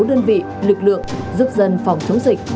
đơn vị lực lượng giúp dân phòng chống dịch